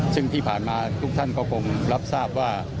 ซึ่งที่ผ่านมาทุกท่านก็คงรับทราบว่า